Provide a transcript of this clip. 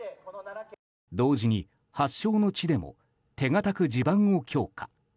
同時に発祥の地でも手堅く地盤を強化。